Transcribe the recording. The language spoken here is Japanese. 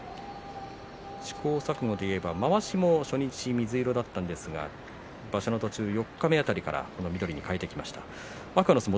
試行錯誤でいえば、まわしも初日水色だったんですが場所の途中四日目辺りから緑色に替えてきました。